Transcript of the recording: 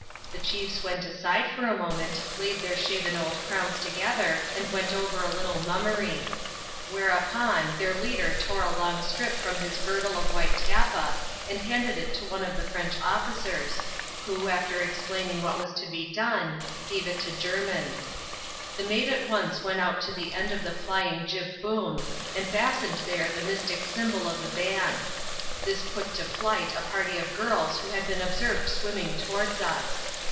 The chiefs went aside for a moment, laid their shaven old crowns together, and went over a little mummery. Whereupon, their leader tore a long strip from his girdle of white tappa, and handed it CHAP, v.] WHAT HAPPENED AT HYTYHOO. 19 to one of the French officers, who, after explaining what was to be done, gave it to Jermin. The mate at once went out to the end of the jBjing jib boom, and fastened there the mystic symbol of the ban. This put to flight a party of girls who had been observed swimming towards us.